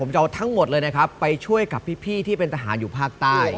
จะเอาทั้งหมดเลยนะครับไปช่วยกับพี่ที่เป็นทหารอยู่ภาคใต้